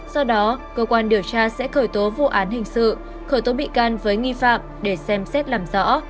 do đó cơ quan điều tra sẽ khởi tố vụ án hình sự khởi tố bị can với nghi phạm để xem xét làm rõ